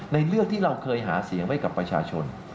เลือกที่เราเคยหาเสียงไว้กับประชาชน